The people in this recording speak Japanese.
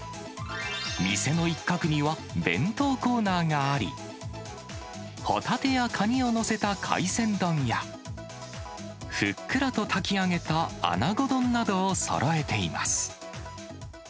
店の一角には、弁当コーナーがあり、ホタテやカニを載せた海鮮丼や、ふっくらと炊き上げたアナゴ丼などをそろえています。